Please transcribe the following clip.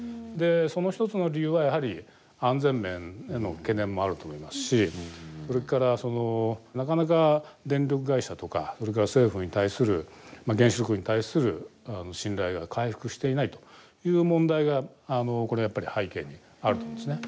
その一つの理由はやはり安全面への懸念もあると思いますしそれからなかなか電力会社とかそれから政府に対する原子力に対する信頼が回復していないという問題がこれやっぱり背景にあると思うんですね。